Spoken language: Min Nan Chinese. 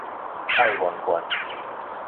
愛媛縣